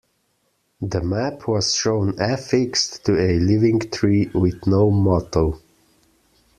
The map was shown affixed to a living tree, with no motto.